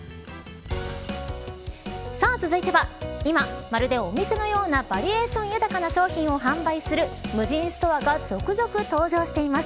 さあ、続いては今、まるでお店のようなバリエーション豊かな商品を販売する無人ストアが続々登場しています。